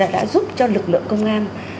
đã giúp cho lực lượng công an